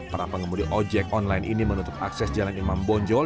para pengemudi ojek online ini menutup akses jalan imam bonjol